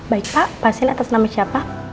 baik pak pasien atas nama siapa